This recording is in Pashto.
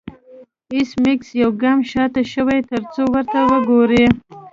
ایس میکس یو ګام شاته شو ترڅو ورته وګوري